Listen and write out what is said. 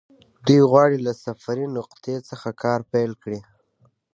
دوی غواړي له صفري نقطې څخه کار پيل کړي.